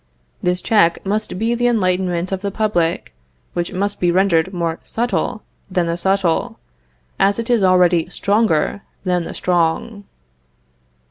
This check must be the enlightenment of the public, which must be rendered more subtle than the subtle, as it is already stronger than the strong.